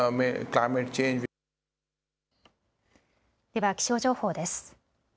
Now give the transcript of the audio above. では気象情報です。